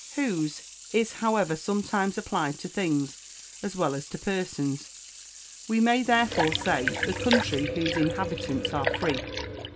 Whose is, however, sometimes applied to things as well as to persons. We may therefore say, "The country whose inhabitants are free."